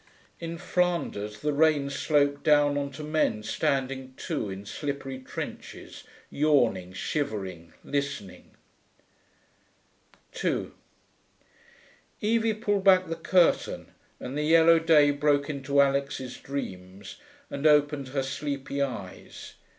In Flanders, the rain sloped down on to men standing to in slippery trenches, yawning, shivering, listening.... 2 Evie pulled back the curtain, and the yellow day broke into Alix's dreams and opened her sleepy eyes.